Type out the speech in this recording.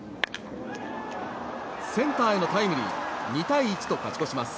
センターへのタイムリー２対１と勝ち越します。